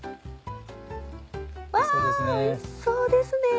うわおいしそうですね！